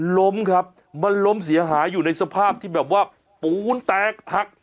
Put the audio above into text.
ล้มครับมันล้มเสียหายอยู่ในสภาพที่แบบว่าปูนแตกหัก